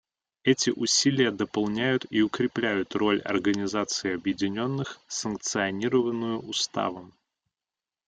Эти усилия дополняют и укрепляют роль Организации Объединенных, санкционированную Уставом.